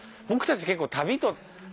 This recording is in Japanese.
僕たち結構旅と。